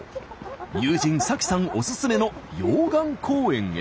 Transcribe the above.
友人早紀さんおすすめの溶岩公園へ。